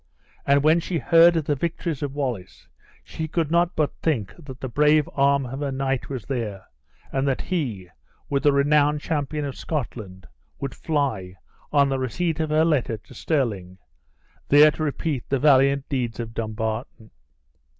And when she heard of the victories of Wallace, she could not but think that the brave arm of her knight was there, and that he, with the renowned champion of Scotland, would fly, on the receipt of her letter, to Stirling, there to repeat the valiant deeds of Dumbarton.